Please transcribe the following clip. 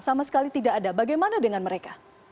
sama sekali tidak ada bagaimana dengan mereka